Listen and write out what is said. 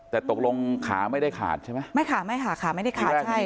แต่ตกลงขาไม่ได้ขาดใช่ไหมไม่ขาดไม่ขาดขาไม่ได้ขาดใช่